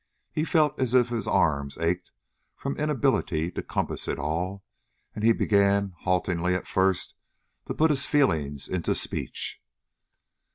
He felt as if his arms ached from inability to compass it all, and he began, haltingly at first, to put his feeling into speech.